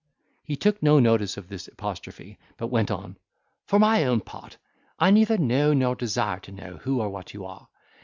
He took no notice of this apostrophe, but went on. "For my own part, I neither know nor desire to know who or what you are.